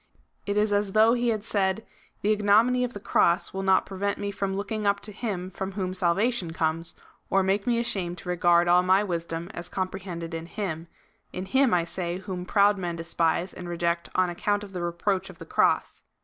It is as though he had said: " The ignominy of the cross will not prevent me from looking up to him^ from whom salvation comes, or make me ashamed to regard all my wisdom as comprehended in him — in him, I say, whom proud men despise and reject on account of the reproach of the cross."